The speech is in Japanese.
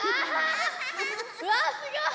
うわすごい！